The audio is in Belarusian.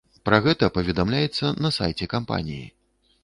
Пра гэта паведамляецца на сайце кампаніі.